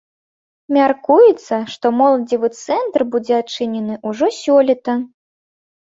Мяркуецца, што моладзевы цэнтр будзе адчынены ўжо сёлета.